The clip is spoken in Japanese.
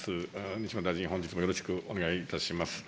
西村大臣、本日もよろしくお願いいたします。